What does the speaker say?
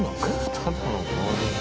ただの棒。